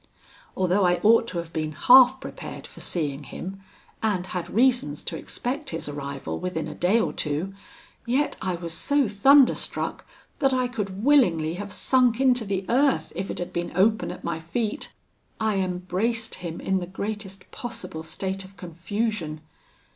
Although I ought to have been half prepared for seeing him, and had reasons to expect his arrival within a day or two, yet I was so thunderstruck, that I could willingly have sunk into the earth, if it had been open at my feet. I embraced him in the greatest possible state of confusion.